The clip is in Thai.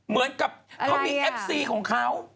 เหมือนกับเขามีเอฟซีของเขา